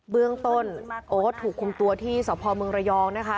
เบื้องต้นโอ๊ตถูกคุมตัวที่สพเมืองระยองนะคะ